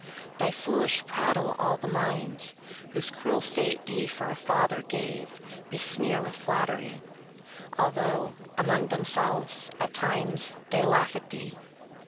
Thy foolish prattle all the minds, Whose cruel fate thee for a father gave, Besmear with flattery, Although, among themselves, at times, They laugh at thee.